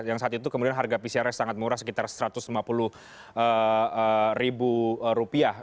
yang saat itu kemudian harga pcr nya sangat murah sekitar satu ratus lima puluh ribu rupiah